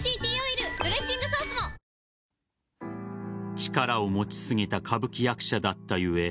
力を持ちすぎた歌舞伎役者だった故